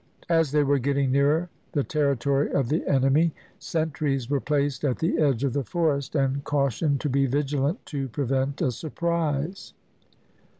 As they were getting nearer the territory of the enemy sentries were placed at the edge of the forest, and cautioned to be vigilant to prevent a surprise.